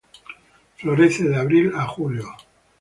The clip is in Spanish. Florece de abril a julio.